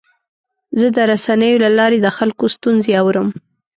زه د رسنیو له لارې د خلکو ستونزې اورم.